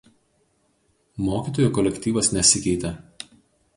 Mokytojų kolektyvas nesikeitė.